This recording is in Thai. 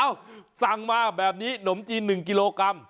สั่งมาแบบนี้หนมจีน๑กิโลกรัม